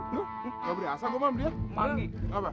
nggak berasa gue mam lihat